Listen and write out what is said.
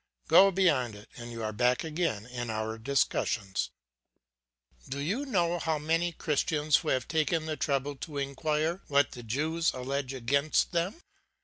Go beyond it, and you are back again in our discussions. "Do you know many Christians who have taken the trouble to inquire what the Jews allege against them?